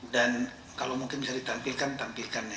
dan kalau mungkin bisa ditampilkan tampilkan ya